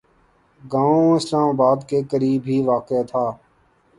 گاؤں اسلام آباد کے قریب ہی واقع تھا